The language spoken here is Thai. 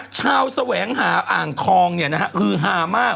แสวงหาอ่างทองเนี่ยนะฮะฮือฮามาก